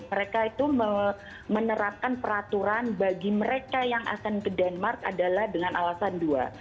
mereka itu menerapkan peraturan bagi mereka yang akan ke denmark adalah dengan alasan dua